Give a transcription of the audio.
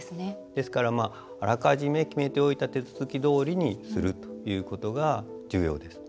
ですからあらかじめ決めておいた手続きどおりにするということが重要です。